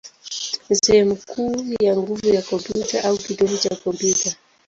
ni sehemu kuu ya nguvu ya kompyuta, au kitovu cha kompyuta.